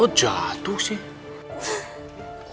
kok jatuh sih